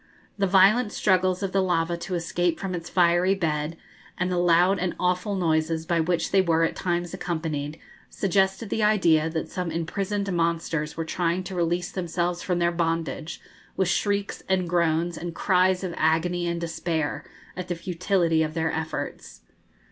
The violent struggles of the lava to escape from its fiery bed, and the loud and awful noises by which they were at times accompanied, suggested the idea that some imprisoned monsters were trying to release themselves from their bondage, with shrieks and groans, and cries of agony and despair, at the futility of their efforts.